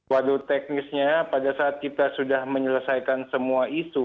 waduh teknisnya pada saat kita sudah menyelesaikan semua isu